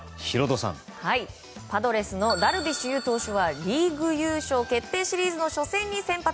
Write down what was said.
パドレスのダルビッシュ有投手がリーグ優勝決定シリーズの初戦に先発。